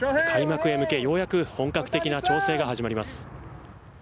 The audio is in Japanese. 開幕へ向け、ようやく本格的な調整が始まります。